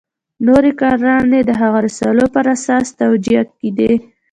نورې کړنې د هغو رسالو پر اساس توجیه کېدې.